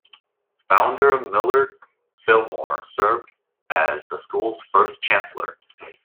Founder Millard Fillmore served as the school's first chancellor.